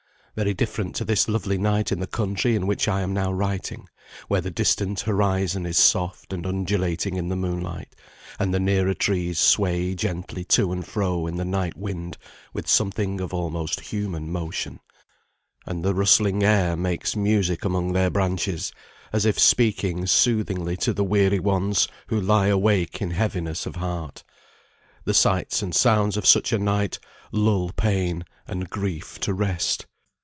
Very different to this lovely night in the country in which I am now writing, where the distant horizon is soft and undulating in the moonlight, and the nearer trees sway gently to and fro in the night wind with something of almost human motion; and the rustling air makes music among their branches, as if speaking soothingly to the weary ones who lie awake in heaviness of heart. The sights and sounds of such a night lull pain and grief to rest.